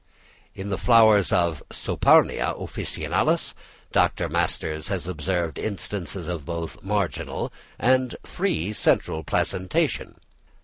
In the flowers of Saponaria officinalis Dr. Masters has observed instances of both marginal and free central placentation.